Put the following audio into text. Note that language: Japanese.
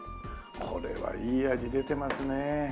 これはいい味出てますね。